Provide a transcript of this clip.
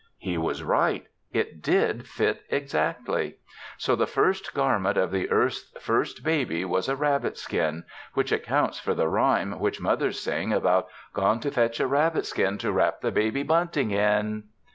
He was right; it did fit exactly. So the first garment of the earth's first baby was a rabbitskin, which accounts for the rhyme which mothers sing about "Gone to fetch a rabbitskin, to wrap the baby bunting in."